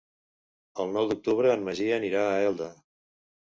El nou d'octubre en Magí anirà a Elda.